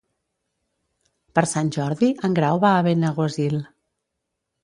Per Sant Jordi en Grau va a Benaguasil.